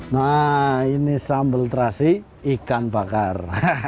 nah ini sambal terasi ikan bakar